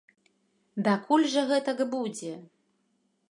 Дакуль жа гэтак будзе?